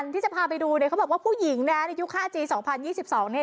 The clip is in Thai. ที่จะพาไปดูเนี่ยเขาบอกว่าผู้หญิงนะในยุค๕จี๒๐๒๒เนี่ย